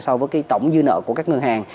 so với tổng dư nợ của các ngân hàng